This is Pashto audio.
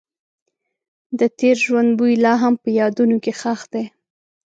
د تېر ژوند بوی لا هم په یادونو کې ښخ دی.